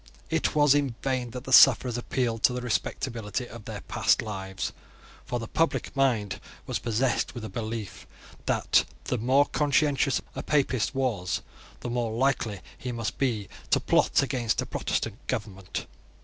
It was in vain that the sufferers appealed to the respectability of their past lives: for the public mind was possessed with a belief that the more conscientious a Papist was, the more likely he must be to plot against a Protestant government.